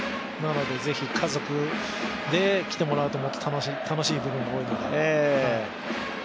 ぜひ家族で来てもらうともっと楽しい部分が多いので。